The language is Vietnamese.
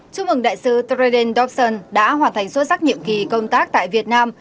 chúc mừng đại sứ triden dobson đã hoàn thành xuất sắc nhiệm kỳ công tác tại việt nam